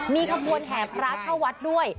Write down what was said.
มีขบวนแห่พระเข้าวัดด้วย